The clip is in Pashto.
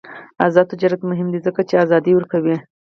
آزاد تجارت مهم دی ځکه چې ازادي ورکوي.